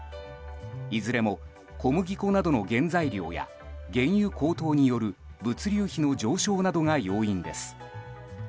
いずれも小麦粉などの原材料や原油高騰による物流費の上昇などが要因です。